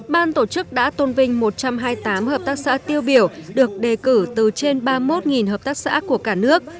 ban tổ chức đã tôn vinh một trăm hai mươi tám hợp tác xã tiêu biểu được đề cử từ trên ba mươi một hợp tác xã của cả nước